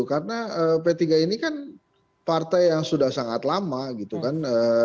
karena p tiga ini kan partai yang sudah sangat lama gitu kan